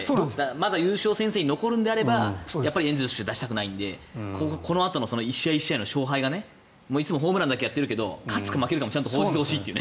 まだ優勝戦線に残るのであればエンゼルスは出したくないのでこのあとの１試合１試合の勝敗がいつもホームランだけやっているけど勝つか負けるかもちゃんと報じてほしいという。